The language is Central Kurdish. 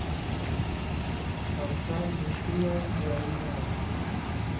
کافران لهشکریان دوایی نایه